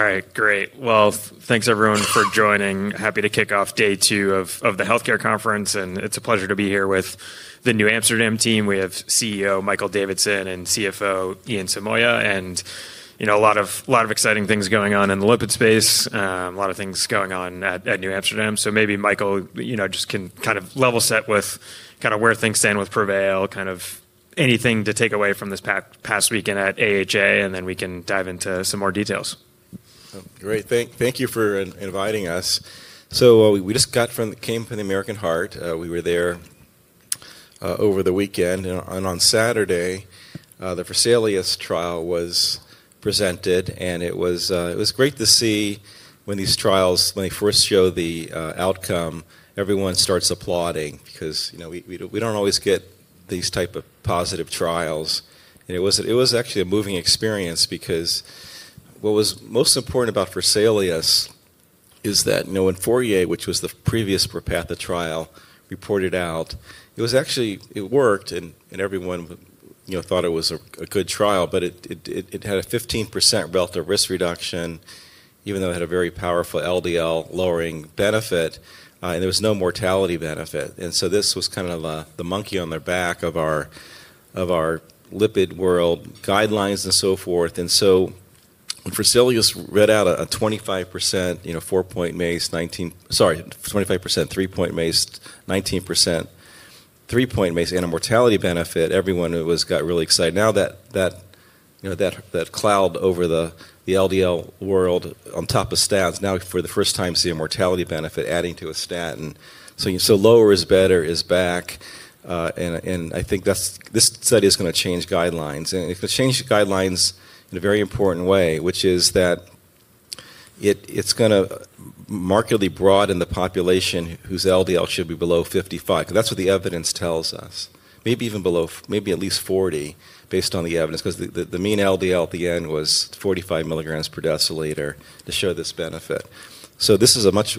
All right, great. Thanks everyone for joining. Happy to kick off day two of the healthcare conference, and it's a pleasure to be here with the NewAmsterdam team. We have CEO Michael Davidson and CFO Ian Somaiya, and you know, a lot of exciting things going on in the lipid space, a lot of things going on at NewAmsterdam. Maybe Michael, you know, just can kind of level set with kind of where things stand with PREVAIL, kind of anything to take away from this past weekend at AHA, and then we can dive into some more details. Great. Thank you for inviting us. We just came from the American Heart. We were there over the weekend, and on Saturday, the Fresenius trial was presented, and it was great to see when these trials, when they first show the outcome, everyone starts applauding because, you know, we do not always get these types of positive trials. It was actually a moving experience because what was most important about Fresenius is that, you know, when FOURIER, which was the previous Repatha trial, reported out, it actually worked, and everyone thought it was a good trial, but it had a 15% relative risk reduction, even though it had a very powerful LDL-lowering benefit, and there was no mortality benefit. This was kind of the monkey on their back of our lipid world guidelines and so forth. When Fresenius read out a 25% four-point MACE, 19%, sorry, 25% three-point MACE, 19% three-point MACE, and a mortality benefit, everyone got really excited. That cloud over the LDL world on top of statins, now for the first time, you see a mortality benefit adding to a statin. Lower is better is back, and I think this study is going to change guidelines, and it's going to change guidelines in a very important way, which is that it's going to markedly broaden the population whose LDL should be below 55, because that's what the evidence tells us, maybe even below, maybe at least 40, based on the evidence, because the mean LDL at the end was 45 milligrams per deciliter to show this benefit. This is a much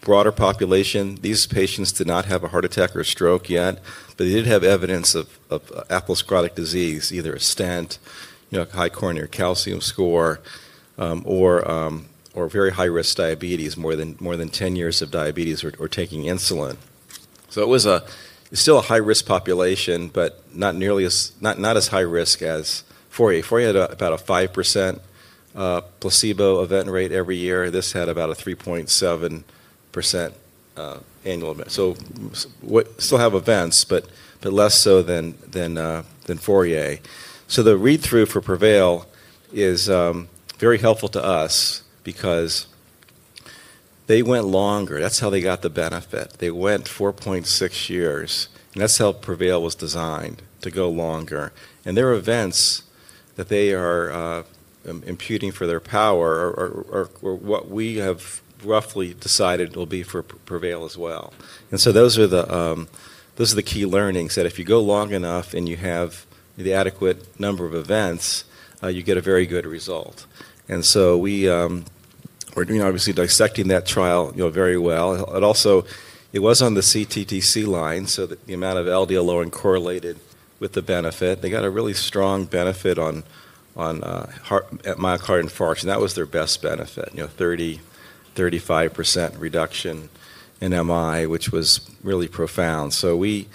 broader population. These patients did not have a heart attack or stroke yet, but they did have evidence of atherosclerotic disease, either a stent, you know, high coronary calcium score, or very high-risk diabetes, more than 10 years of diabetes, or taking insulin. It was still a high-risk population, but not nearly as high risk as FOURIER. FOURIER had about a 5% placebo event rate every year. This had about a 3.7% annual event. Still have events, but less so than FOURIER. The read-through for PREVAIL is very helpful to us because they went longer. That is how they got the benefit. They went 4.6 years, and that is how PREVAIL was designed, to go longer. There are events that they are imputing for their power, or what we have roughly decided will be for PREVAIL as well. Those are the key learnings, that if you go long enough and you have the adequate number of events, you get a very good result. We are doing, obviously, dissecting that trial, you know, very well. It also was on the CTTC line, so that the amount of LDL lowering correlated with the benefit. They got a really strong benefit on myocardial infarction. That was their best benefit, you know, 30-35% reduction in MI, which was really profound. We,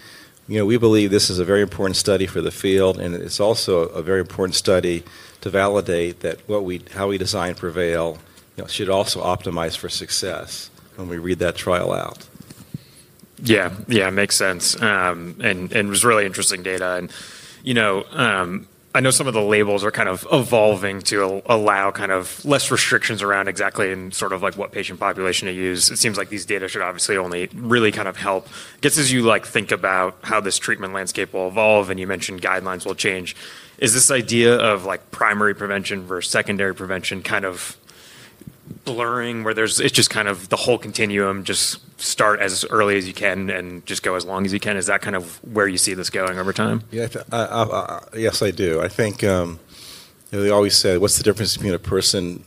you know, we believe this is a very important study for the field, and it is also a very important study to validate that what we, how we design PREVAIL, you know, should also optimize for success when we read that trial out. Yeah, yeah, makes sense. It was really interesting data. You know, I know some of the labels are kind of evolving to allow kind of less restrictions around exactly in sort of like what patient population to use. It seems like these data should obviously only really kind of help, just as you like think about how this treatment landscape will evolve, and you mentioned guidelines will change. Is this idea of like primary prevention versus secondary prevention kind of blurring, where there's it's just kind of the whole continuum just start as early as you can and just go as long as you can? Is that kind of where you see this going over time? Yes, I do. I think, you know, they always say, what's the difference between a person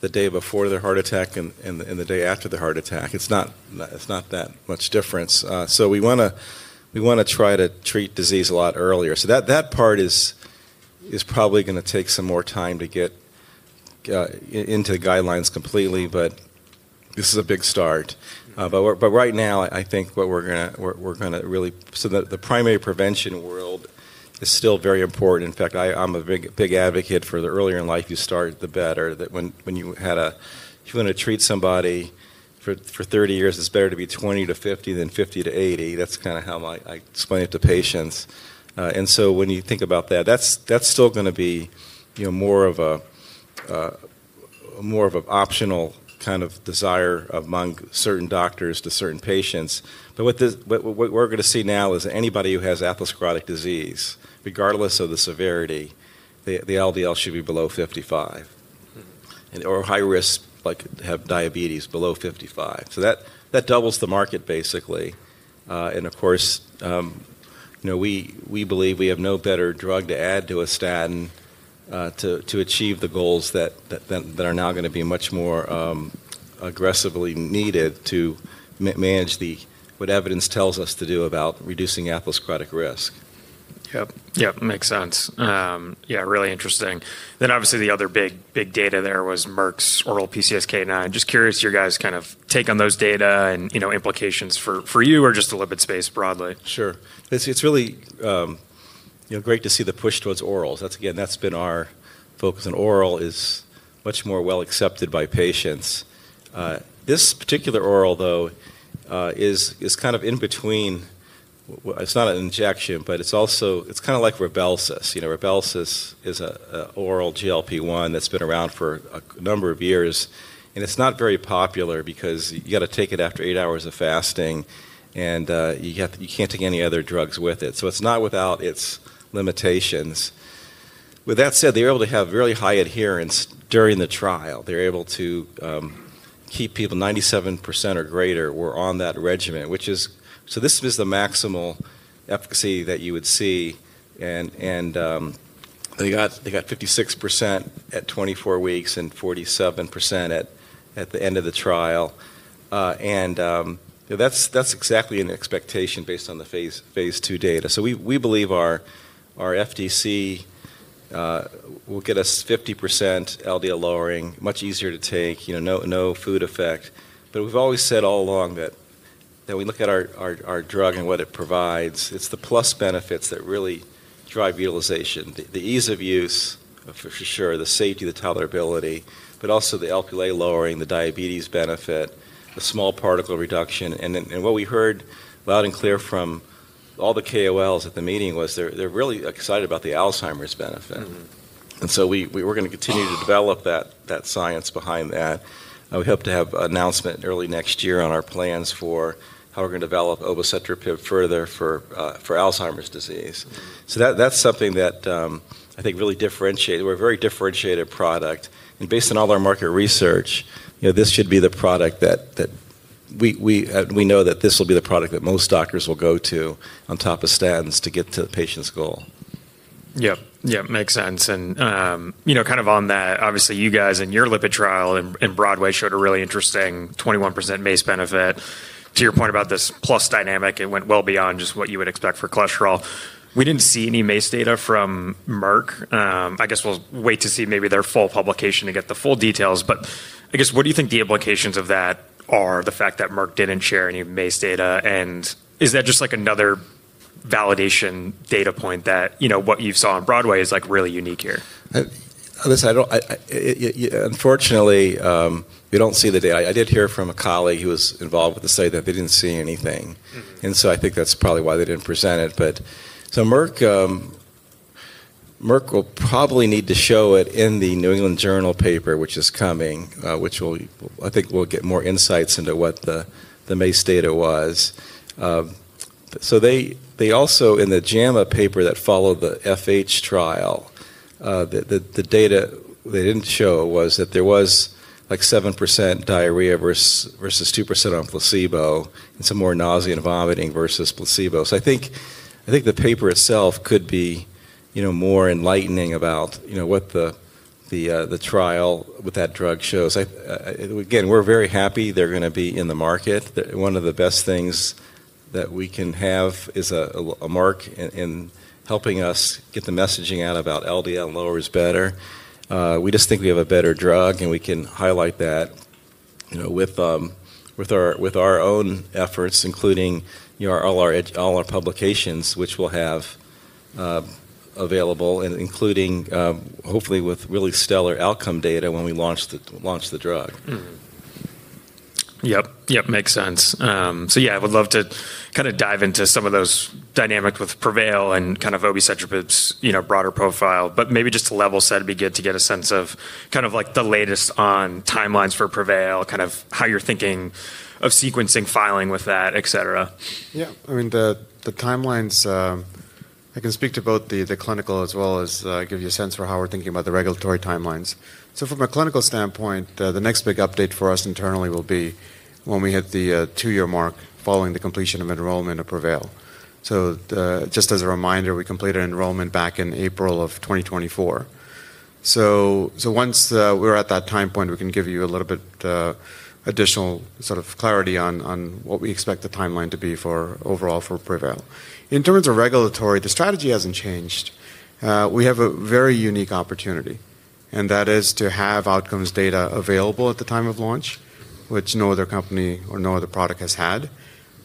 the day before their heart attack and the day after their heart attack? It's not that much difference. We want to try to treat disease a lot earlier. That part is probably going to take some more time to get into guidelines completely, but this is a big start. Right now, I think what we're going to really, the primary prevention world is still very important. In fact, I'm a big advocate for the earlier in life you start, the better. That when you had a, if you want to treat somebody for 30 years, it's better to be 20-50 than 50-80. That's kind of how I explain it to patients. When you think about that, that's still going to be, you know, more of an optional kind of desire among certain doctors to certain patients. What we're going to see now is anybody who has atherosclerotic disease, regardless of the severity, the LDL should be below 55, or high risk, like have diabetes below 55. That doubles the market, basically. Of course, you know, we believe we have no better drug to add to a statin to achieve the goals that are now going to be much more aggressively needed to manage what evidence tells us to do about reducing atherosclerotic risk. Yep, yep, makes sense. Yeah, really interesting. Obviously the other big data there was Merck's oral PCSK9. Just curious your guys' kind of take on those data and, you know, implications for you or just the lipid space broadly. Sure. It's really, you know, great to see the push towards orals. That's, again, that's been our focus, and oral is much more well accepted by patients. This particular oral, though, is kind of in between. It's not an injection, but it's also, it's kind of like Rybelsus. You know, Rybelsus is an oral GLP-1 that's been around for a number of years, and it's not very popular because you got to take it after eight hours of fasting, and you can't take any other drugs with it. It is not without its limitations. With that said, they were able to have really high adherence during the trial. They were able to keep people, 97% or greater were on that regimen, which is, so this is the maximal efficacy that you would see. And they got 56% at 24 weeks and 47% at the end of the trial. That is exactly an expectation based on the phase two data. We believe our FDC will get us 50% LDL lowering, much easier to take, you know, no food effect. We have always said all along that we look at our drug and what it provides. It is the plus benefits that really drive utilization, the ease of use, for sure, the safety, the tolerability, but also the LPL-A lowering, the diabetes benefit, the small particle reduction. What we heard loud and clear from all the KOLs at the meeting was they are really excited about the Alzheimer's benefit. We are going to continue to develop that science behind that. We hope to have an announcement early next year on our plans for how we are going to develop obicetrapib further for Alzheimer's disease. That is something that I think really differentiates us. We are a very differentiated product. Based on all our market research, you know, this should be the product that we know that this will be the product that most doctors will go to on top of statins to get to the patient's goal. Yep, yep, makes sense. And, you know, kind of on that, obviously you guys in your lipid trial in BROADWAY showed a really interesting 21% MACE benefit. To your point about this plus dynamic, it went well beyond just what you would expect for cholesterol. We did not see any MACE data from Merck. I guess we will wait to see maybe their full publication to get the full details. But I guess, what do you think the implications of that are, the fact that Merck did not share any MACE data? And is that just like another validation data point that, you know, what you saw on BROADWAY is like really unique here? Unfortunately, we don't see the data. I did hear from a colleague who was involved with the study that they didn't see anything. I think that's probably why they didn't present it. Merck will probably need to show it in the New England Journal paper, which is coming, which I think will get more insights into what the MACE data was. They also, in the JAMA paper that followed the FH trial, the data they didn't show was that there was like 7% diarrhea versus 2% on placebo, and some more nausea and vomiting versus placebo. I think the paper itself could be, you know, more enlightening about, you know, what the trial with that drug shows. Again, we're very happy they're going to be in the market. One of the best things that we can have is a Merck in helping us get the messaging out about LDL lowers better. We just think we have a better drug, and we can highlight that, you know, with our own efforts, including, you know, all our publications, which we'll have available, and including, hopefully, with really stellar outcome data when we launch the drug. Yep, yep, makes sense. Yeah, I would love to kind of dive into some of those dynamics with PREVAIL and kind of obicetrapib's, you know, broader profile. Maybe just to level set, it'd be good to get a sense of kind of like the latest on timelines for PREVAIL, kind of how you're thinking of sequencing filing with that, et cetera. Yeah, I mean, the timelines, I can speak to both the clinical as well as give you a sense for how we're thinking about the regulatory timelines. From a clinical standpoint, the next big update for us internally will be when we hit the two-year mark following the completion of enrollment of PREVAIL. Just as a reminder, we completed enrollment back in April of 2024. Once we're at that time point, we can give you a little bit additional sort of clarity on what we expect the timeline to be overall for PREVAIL. In terms of regulatory, the strategy hasn't changed. We have a very unique opportunity, and that is to have outcomes data available at the time of launch, which no other company or no other product has had,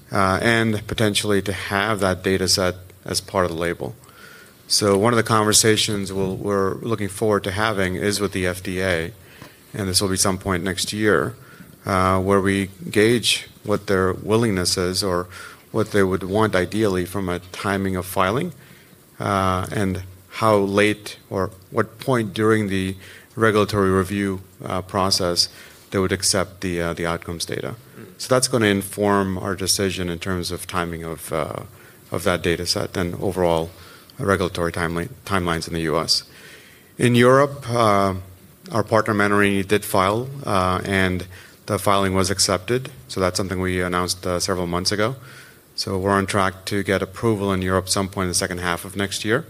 and potentially to have that data set as part of the label. One of the conversations we're looking forward to having is with the FDA, and this will be some point next year, where we gauge what their willingness is or what they would want ideally from a timing of filing, and how late or what point during the regulatory review process they would accept the outcomes data. That's going to inform our decision in terms of timing of that data set and overall regulatory timelines in the U.S. In Europe, our partner Menarini did file, and the filing was accepted. That's something we announced several months ago. We're on track to get approval in Europe some point in the second half of next year.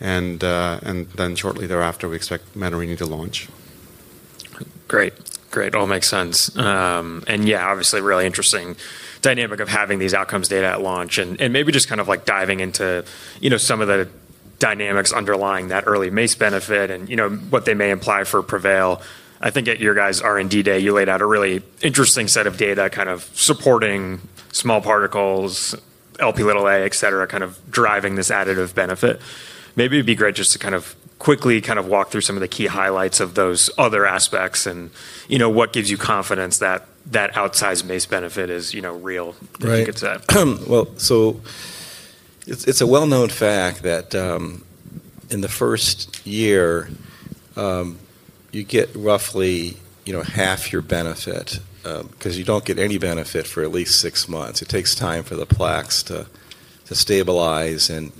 Shortly thereafter, we expect Menarini to launch. Great, great, all makes sense. Yeah, obviously really interesting dynamic of having these outcomes data at launch, and maybe just kind of like diving into, you know, some of the dynamics underlying that early MACE benefit and, you know, what they may imply for PREVAIL. I think at your guys' R&D day, you laid out a really interesting set of data kind of supporting small particles, LPL-A, et cetera, kind of driving this additive benefit. Maybe it'd be great just to kind of quickly kind of walk through some of the key highlights of those other aspects and, you know, what gives you confidence that that outsized MACE benefit is, you know, real, I think it said. It's a well-known fact that in the first year, you get roughly, you know, half your benefit because you don't get any benefit for at least six months. It takes time for the plaques to stabilize. You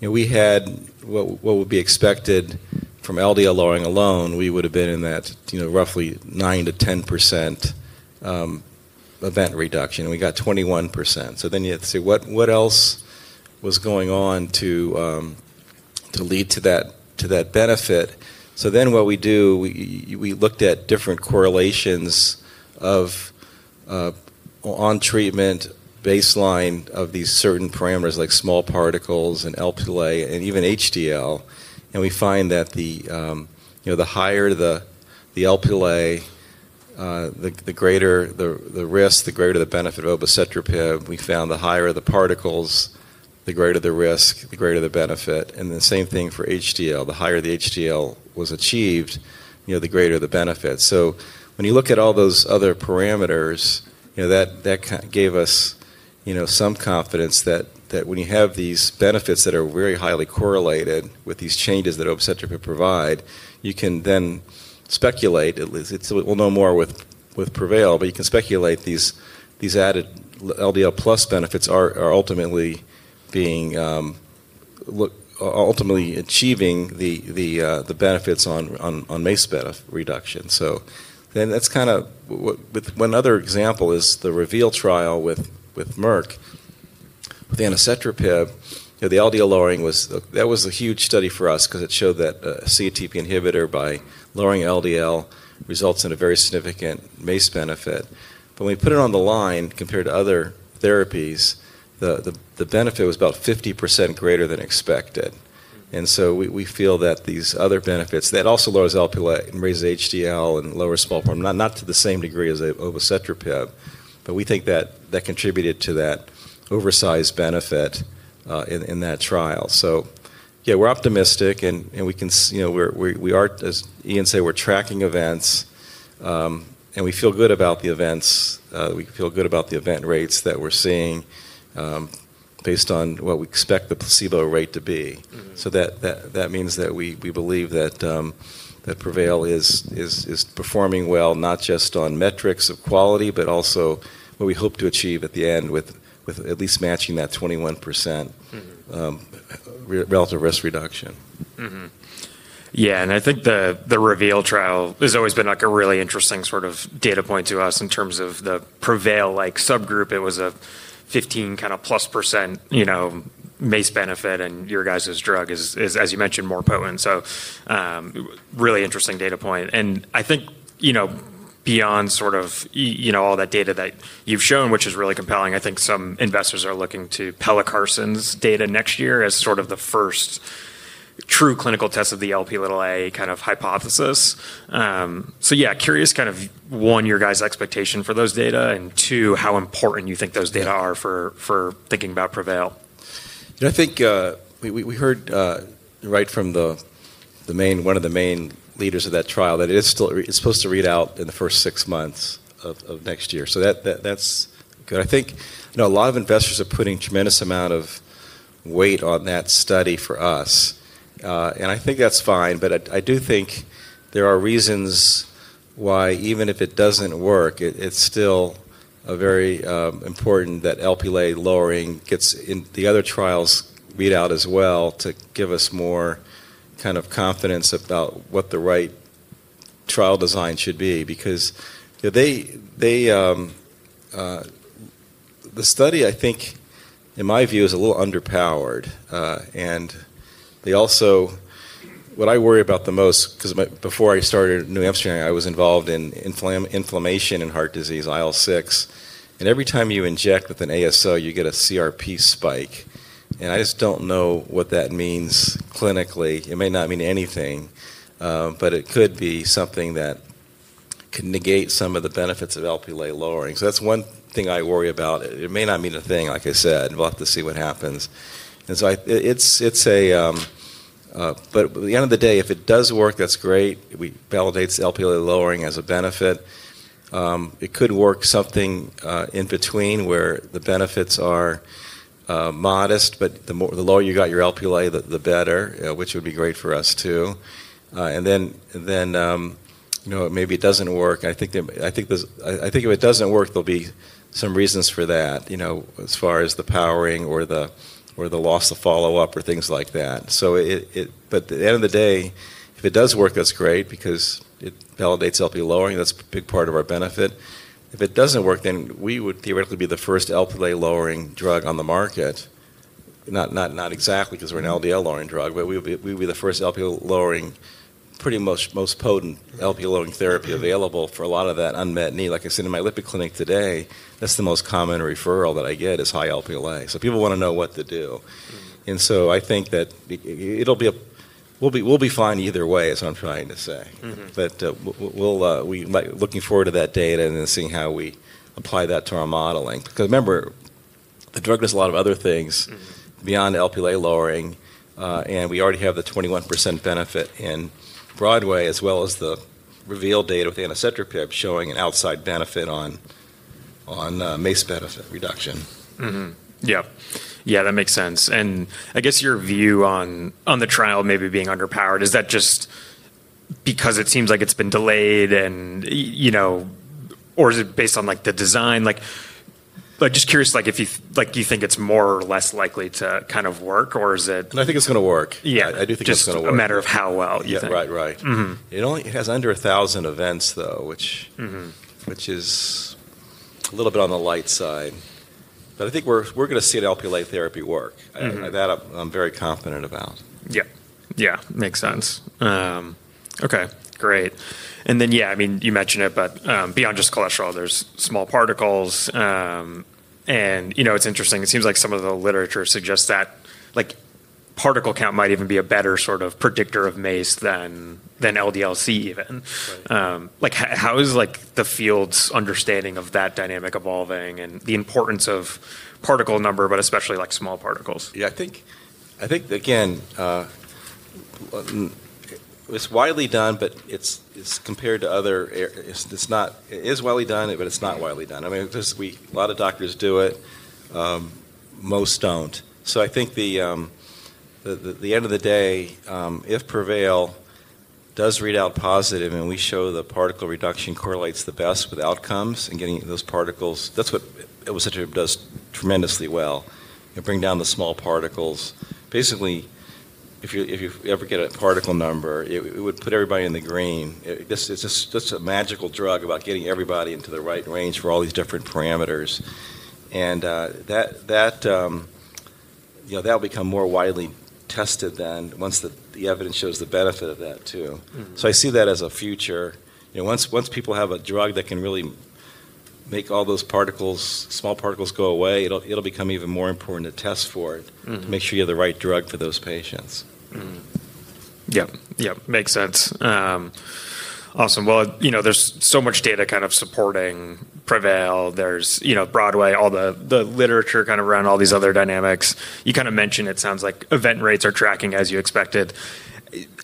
know, we had what would be expected from LDL lowering alone, we would have been in that, you know, roughly 9-10% event reduction. We got 21%. You have to say, what else was going on to lead to that benefit? What we do, we looked at different correlations on treatment baseline of these certain parameters like small particles and LPL-A and even HDL. We find that the, you know, the higher the LPL-A, the greater the risk, the greater the benefit of obicetrapib. We found the higher the particles, the greater the risk, the greater the benefit. Then same thing for HDL. The higher the HDL was achieved, you know, the greater the benefit. When you look at all those other parameters, you know, that gave us, you know, some confidence that when you have these benefits that are very highly correlated with these changes that obicetrapib provide, you can then speculate. We'll know more with PREVAIL, but you can speculate these added LDL plus benefits are ultimately being ultimately achieving the benefits on MACE reduction. That's kind of one other example is the REVEAL trial with Merck. With the anacetrapib, the LDL lowering was that was a huge study for us because it showed that a CETP inhibitor by lowering LDL results in a very significant MACE benefit. When we put it on the line compared to other therapies, the benefit was about 50% greater than expected. We feel that these other benefits that also lowers LPL-A and raises HDL and lowers small form, not to the same degree as obicetrapib, but we think that that contributed to that oversized benefit in that trial. Yeah, we're optimistic and we can, you know, we are, as Ian said, we're tracking events and we feel good about the events. We feel good about the event rates that we're seeing based on what we expect the placebo rate to be. That means that we believe that PREVAIL is performing well, not just on metrics of quality, but also what we hope to achieve at the end with at least matching that 21% relative risk reduction. Yeah, and I think the REVEAL trial has always been like a really interesting sort of data point to us in terms of the PREVAIL-like subgroup. It was a 15% kind of plus MACE benefit and your guys' drug is, as you mentioned, more potent. Really interesting data point. I think, you know, beyond sort of, you know, all that data that you've shown, which is really compelling, I think some investors are looking to Pella Carson's data next year as sort of the first true clinical test of the LPL-A kind of hypothesis. Yeah, curious kind of one, your guys' expectation for those data and two, how important you think those data are for thinking about PREVAIL. You know, I think we heard right from one of the main leaders of that trial that it is still, it's supposed to read out in the first six months of next year. That's good. I think, you know, a lot of investors are putting a tremendous amount of weight on that study for us. I think that's fine, but I do think there are reasons why even if it doesn't work, it's still very important that LPL-A lowering gets in, the other trials read out as well to give us more kind of confidence about what the right trial design should be. Because the study, I think, in my view, is a little underpowered. What I worry about the most, because before I started at NewAmsterdam Pharma, I was involved in inflammation in heart disease, IL-6. Every time you inject with an ASO, you get a CRP spike. I just do not know what that means clinically. It may not mean anything, but it could be something that could negate some of the benefits of LPL-A lowering. That is one thing I worry about. It may not mean a thing, like I said. We will have to see what happens. At the end of the day, if it does work, that is great. We validate LPL-A lowering as a benefit. It could work something in between where the benefits are modest, but the lower you got your LPL-A, the better, which would be great for us too. You know, maybe it does not work. I think if it doesn't work, there'll be some reasons for that, you know, as far as the powering or the loss of follow-up or things like that. It, but at the end of the day, if it does work, that's great because it validates LPL-A lowering. That's a big part of our benefit. If it doesn't work, then we would theoretically be the first LPL-A lowering drug on the market. Not exactly because we're an LDL lowering drug, but we would be the first LPL-A lowering, pretty much most potent LPL-A lowering therapy available for a lot of that unmet need. Like I said in my lipid clinic today, that's the most common referral that I get is high LPL-A. People want to know what to do. I think that it'll be a, we'll be fine either way, is what I'm trying to say. We will be looking forward to that data and then seeing how we apply that to our modeling. Because remember, the drug does a lot of other things beyond LPL-A lowering. And we already have the 21% benefit in BROADWAY as well as the REVEAL data with anacetrapib showing an outside benefit on MACE benefit reduction. Yeah, yeah, that makes sense. I guess your view on the trial maybe being underpowered, is that just because it seems like it's been delayed and, you know, or is it based on like the design? Like I'm just curious, like if you think it's more or less likely to kind of work or is it. I think it's going to work. Yeah, just a matter of how well. Right, right. It only has under 1,000 events though, which is a little bit on the light side. But I think we're going to see an LPL-A therapy work. That I'm very confident about. Yeah, yeah, makes sense. Okay, great. Yeah, I mean, you mentioned it, but beyond just cholesterol, there's small particles. You know, it's interesting. It seems like some of the literature suggests that like particle count might even be a better sort of predictor of MACE than LDL-C even. Like how is like the field's understanding of that dynamic evolving and the importance of particle number, but especially like small particles? Yeah, I think, I think again, it's widely done, but it's compared to other, it's not, it is widely done, but it's not widely done. I mean, a lot of doctors do it. Most don't. I think at the end of the day, if PREVAIL does read out positive and we show the particle reduction correlates the best with outcomes and getting those particles, that's what obicetrapib does tremendously well. It brings down the small particles. Basically, if you ever get a particle number, it would put everybody in the green. It's just a magical drug about getting everybody into the right range for all these different parameters. You know, that'll become more widely tested then once the evidence shows the benefit of that too. I see that as a future. You know, once people have a drug that can really make all those particles, small particles go away, it'll become even more important to test for it to make sure you have the right drug for those patients. Yeah, yeah, makes sense. Awesome. You know, there's so much data kind of supporting PREVAIL. There's, you know, BROADWAY, all the literature kind of around all these other dynamics. You kind of mentioned it sounds like event rates are tracking as you expected.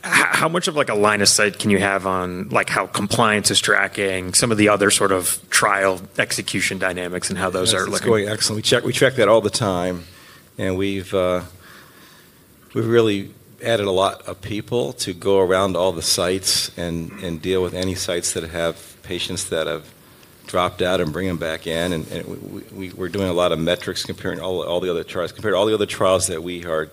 How much of like a line of sight can you have on like how compliance is tracking, some of the other sort of trial execution dynamics and how those are looking? We check that all the time. We have really added a lot of people to go around all the sites and deal with any sites that have patients that have dropped out and bring them back in. We are doing a lot of metrics comparing all the other trials. Compared to all the other trials that we are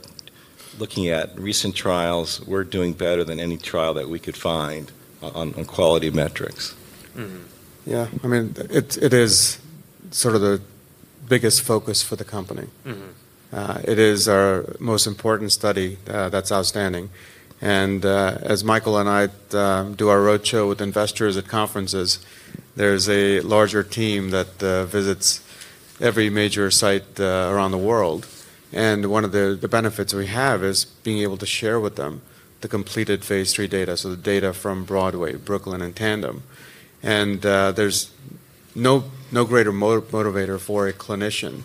looking at, recent trials, we are doing better than any trial that we could find on quality metrics. Yeah, I mean, it is sort of the biggest focus for the company. It is our most important study that's outstanding. As Michael and I do our roadshow with investors at conferences, there's a larger team that visits every major site around the world. One of the benefits we have is being able to share with them the completed phase three data, so the data from BROADWAY, BROOKLYN, and TANDEM. There's no greater motivator for a clinician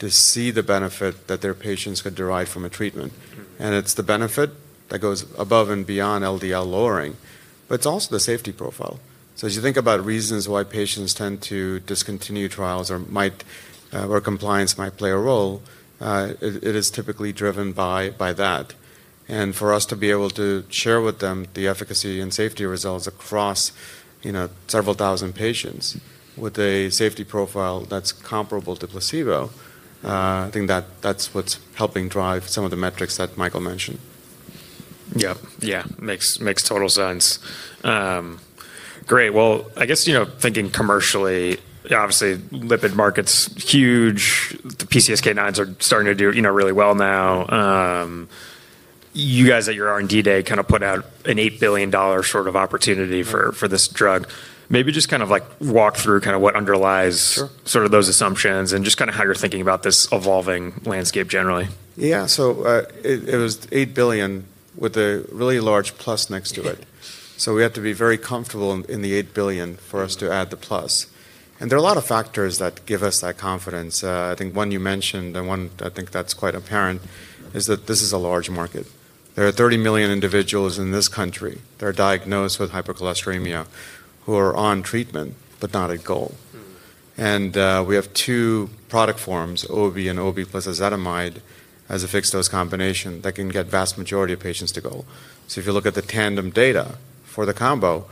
to see the benefit that their patients could derive from a treatment. It's the benefit that goes above and beyond LDL lowering. It's also the safety profile. As you think about reasons why patients tend to discontinue trials or might, where compliance might play a role, it is typically driven by that. For us to be able to share with them the efficacy and safety results across, you know, several thousand patients with a safety profile that's comparable to placebo, I think that that's what's helping drive some of the metrics that Michael mentioned. Yeah, yeah, makes total sense. Great. I guess, you know, thinking commercially, obviously lipid market's huge. The PCSK9s are starting to do, you know, really well now. You guys at your R&D day kind of put out an $8 billion sort of opportunity for this drug. Maybe just kind of like walk through kind of what underlies sort of those assumptions and just kind of how you're thinking about this evolving landscape generally. Yeah, so it was $8 billion with a really large plus next to it. We have to be very comfortable in the $8 billion for us to add the plus. There are a lot of factors that give us that confidence. I think one you mentioned and one I think that's quite apparent is that this is a large market. There are 30 million individuals in this country that are diagnosed with hypercholesterolemia who are on treatment, but not at goal. We have two product forms, OB and OB plus ezetimibe as a fixed-dose combination that can get the vast majority of patients to goal. If you look at the Tandem data for the combo,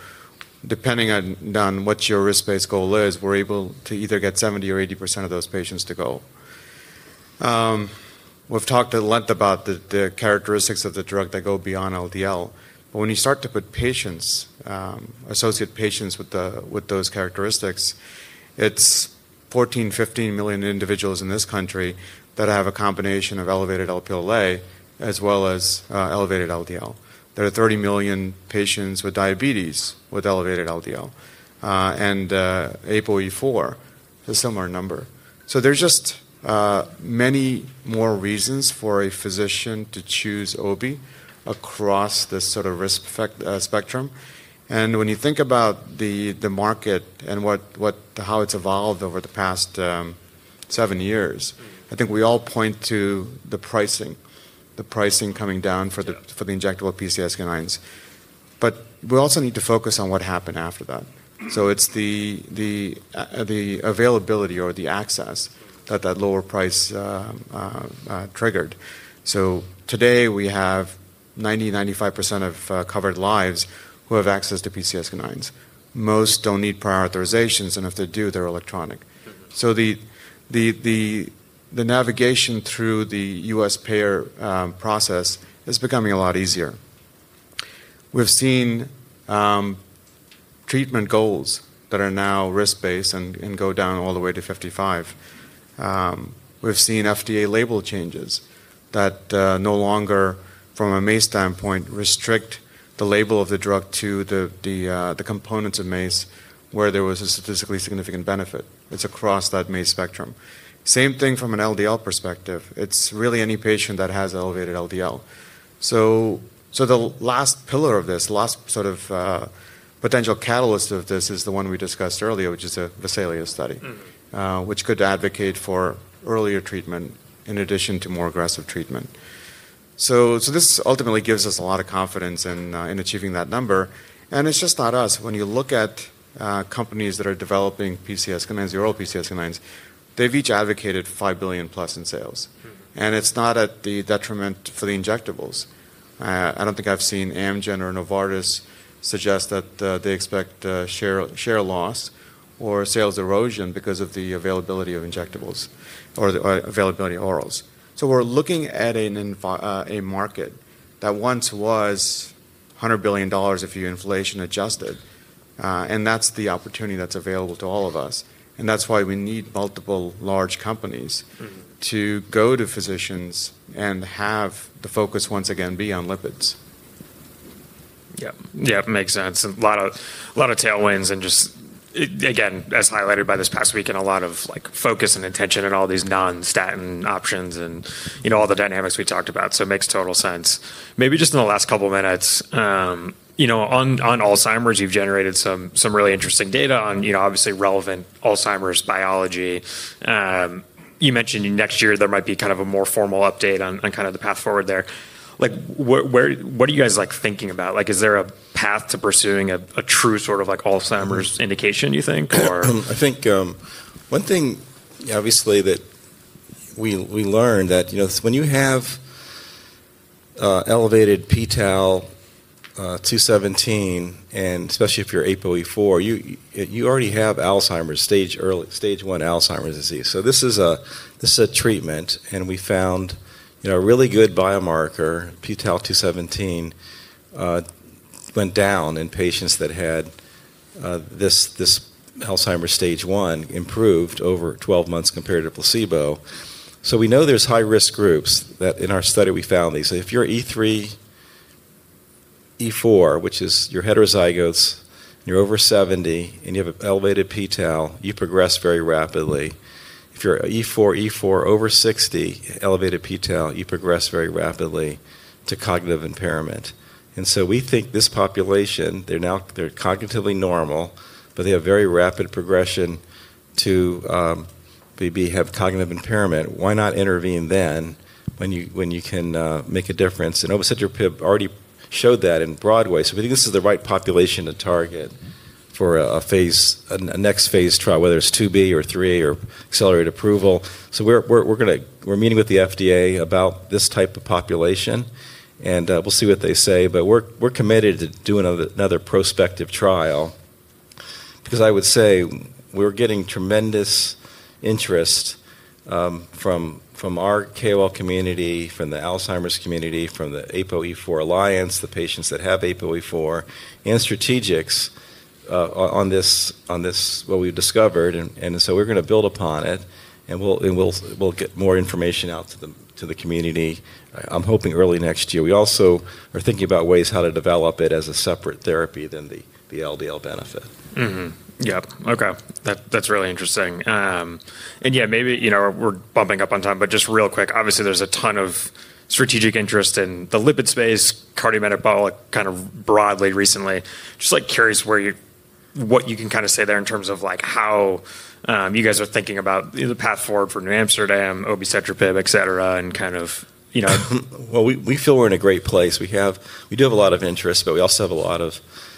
depending on what your risk-based goal is, we're able to either get 70% or 80% of those patients to goal. We've talked at length about the characteristics of the drug that go beyond LDL. When you start to put patients, associate patients with those characteristics, it's 14-15 million individuals in this country that have a combination of elevated LPL-A as well as elevated LDL. There are 30 million patients with diabetes with elevated LDL. APOE4 is a similar number. There are just many more reasons for a physician to choose OB across this sort of risk spectrum. When you think about the market and how it's evolved over the past seven years, I think we all point to the pricing, the pricing coming down for the injectable PCSK9s. We also need to focus on what happened after that. It's the availability or the access that that lower price triggered. Today we have 90-95% of covered lives who have access to PCSK9s. Most do not need prior authorizations. If they do, they are electronic. The navigation through the U.S. payer process is becoming a lot easier. We have seen treatment goals that are now risk-based and go down all the way to 55. We have seen FDA label changes that no longer, from a MACE standpoint, restrict the label of the drug to the components of MACE where there was a statistically significant benefit. It is across that MACE spectrum. The same thing from an LDL perspective. It is really any patient that has elevated LDL. The last pillar of this, the last sort of potential catalyst of this, is the one we discussed earlier, which is the VESALIUS study, which could advocate for earlier treatment in addition to more aggressive treatment. This ultimately gives us a lot of confidence in achieving that number. It is just not us. When you look at companies that are developing PCSK9s, the oral PCSK9s, they've each advocated $5 billion plus in sales. It's not at the detriment for the injectables. I don't think I've seen Amgen or Novartis suggest that they expect share loss or sales erosion because of the availability of injectables or availability of orals. We're looking at a market that once was $100 billion if you inflation adjusted. That's the opportunity that's available to all of us. That's why we need multiple large companies to go to physicians and have the focus once again be on lipids. Yeah, yeah, makes sense. A lot of tailwinds and just, again, as highlighted by this past week and a lot of like focus and attention and all these non-statin options and, you know, all the dynamics we talked about. It makes total sense. Maybe just in the last couple of minutes, you know, on Alzheimer's, you've generated some really interesting data on, you know, obviously relevant Alzheimer's biology. You mentioned next year there might be kind of a more formal update on kind of the path forward there. What are you guys like thinking about? Like is there a path to pursuing a true sort of like Alzheimer's indication, you think? I think one thing, obviously, that we learned that, you know, when you have elevated p-tau 217, and especially if you're APOE4, you already have Alzheimer's, stage one Alzheimer's disease. This is a treatment. And we found, you know, a really good biomarker, p-tau 217, went down in patients that had this Alzheimer's stage one improved over 12 months compared to placebo. We know there's high-risk groups that in our study we found these. If you're E3, E4, which is your heterozygotes, you're over 70, and you have an elevated p-tau, you progress very rapidly. If you're E4, E4, over 60, elevated p-tau, you progress very rapidly to cognitive impairment. We think this population, they're now cognitively normal, but they have very rapid progression to maybe have cognitive impairment. Why not intervene then when you can make a difference? And obicetrapib already showed that in BROADWAY. We think this is the right population to target for a phase, a next phase trial, whether it's 2B or 3A or accelerated approval. We're meeting with the FDA about this type of population. We'll see what they say. We're committed to doing another prospective trial. I would say we're getting tremendous interest from our KOL community, from the Alzheimer's community, from the APOE4 Alliance, the patients that have APOE4, and strategics on this, what we've discovered. We're going to build upon it. We'll get more information out to the community, I'm hoping early next year. We also are thinking about ways how to develop it as a separate therapy than the LDL benefit. Yeah, okay. That's really interesting. Yeah, maybe, you know, we're bumping up on time, but just real quick, obviously there's a ton of strategic interest in the lipid space, cardiometabolic kind of broadly recently. Just like curious what you can kind of say there in terms of like how you guys are thinking about the path forward for NewAmsterdam, obicetrapib, etc., and kind of, you know. We feel we're in a great place. We do have a lot of interest, but we also have a lot of,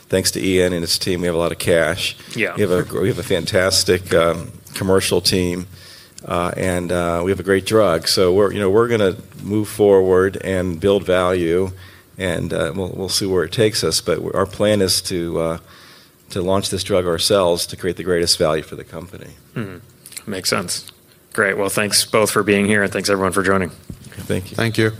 thanks to Ian and his team, we have a lot of cash. We have a fantastic commercial team. We have a great drug. You know, we're going to move forward and build value. We'll see where it takes us. Our plan is to launch this drug ourselves to create the greatest value for the company. Makes sense. Great. Thanks both for being here. And thanks everyone for joining. Thank you. Thank you.